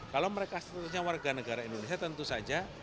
kalau mereka statusnya warga negara indonesia tentu saja